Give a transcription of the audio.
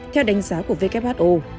theo đánh giá của who